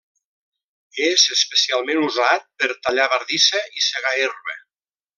És especialment usat per tallar bardissa i segar herba.